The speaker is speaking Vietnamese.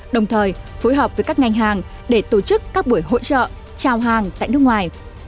đồng thời phối hợp với các ngành hàng để tổ chức các buổi hỗ trợ trao hàng tại nước ngoài